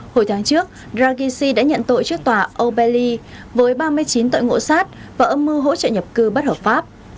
hồi tháng trước dargissi đã nhận tội trước tòa o berley với ba mươi chín tội ngộ sát và âm mưu hỗ trợ nhập cư bất hợp pháp